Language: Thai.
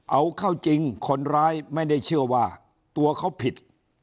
เอาเข้าจริงคนร้ายไม่ได้เชื่อว่าตัวเขาผิด